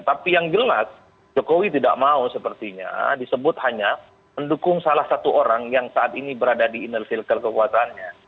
tapi yang jelas jokowi tidak mau sepertinya disebut hanya mendukung salah satu orang yang saat ini berada di inner circle kekuatannya